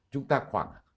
chúng ta khoảng